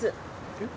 えっ？